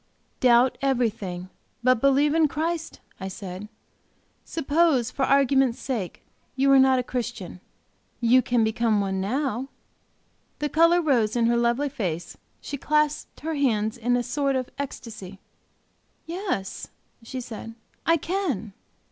"Doubt everything, but believe in Christ," I said. "Suppose, for argument's sake, you are not a Christian. You can become one now." The color rose in her lovely face; she clasped her hands in a sort of ecstasy. "Yes," she said, "I can."